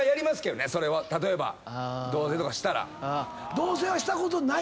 同棲はしたことない？